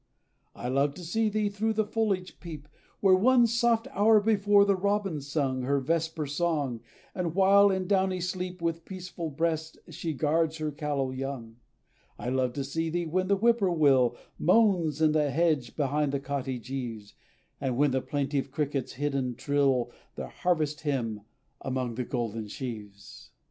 I love to see thee through the foliage peep, Where, one soft hour before, the robin sung Her vesper song; the while, in downy sleep, With peaceful breast she guards her callow young. I love to see thee, when the whip poor will Moans in the hedge behind the cottage eaves; And when the plaintive crickets, hidden, trill Their harvest hymn among the golden sheaves.